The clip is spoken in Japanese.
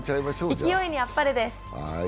勢いにあっぱれです。